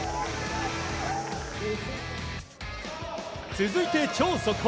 続いて超速報。